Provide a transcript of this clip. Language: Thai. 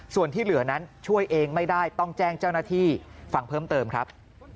ส่วนที่เหลือนั้นช่วยเองไม่ได้ต้องแจ้งเจ้าหน้าที่ฟังเพิ่มเติมครับ